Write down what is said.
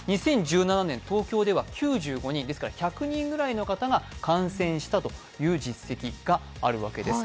２０１７年、東京では９５人ですから１００人ぐらいの方が感染したという実績があるわけです。